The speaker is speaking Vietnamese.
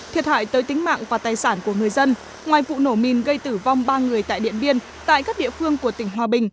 thiệt hại tới tính mạng và tài sản của người dân ngoài vụ nổ mìn gây tử vong ba người tại điện biên tại các địa phương của tỉnh hòa bình